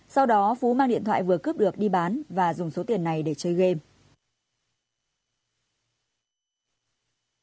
sau đó phú mang điện thoại vừa cướp được đi bán và dùng số tiền này để chơi game